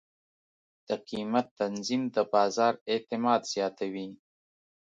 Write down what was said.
د قیمت تنظیم د بازار اعتماد زیاتوي.